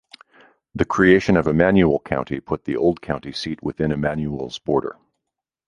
The creation of Emanuel County, put the old county seat within Emanuel's border.